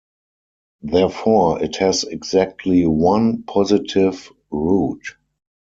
Therefore it has exactly one positive root.